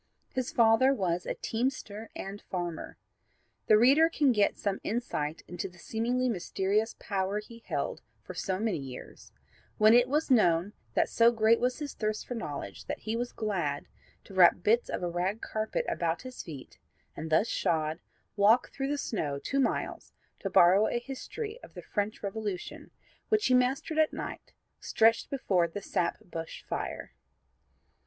His father was a teamster and farmer. The reader can get some insight into the seemingly mysterious power he held for so many years, when it was known that so great was his thirst for knowledge that he was glad to wrap bits of a rag carpet about his feet and thus shod walk through the snow two miles to borrow a history of the French Revolution, which he mastered at night, stretched before 'the sap bush fire.'